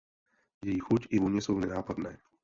Její chuť i vůně jsou nenápadné.